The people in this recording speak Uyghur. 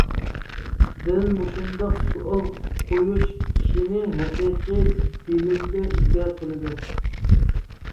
دەل مۇشۇنداق سوئال قويۇش كىشىنى ھەقىقىي بىلىمگە ئىگە قىلىدۇ.